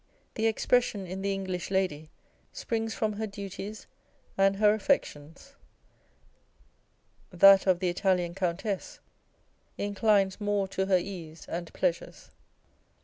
The expression in the English lady springs from her duties and her affections ; that of the Italian Countess inclines more to her ease and pleasures.